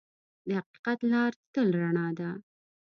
د حقیقت لار تل رڼا ده.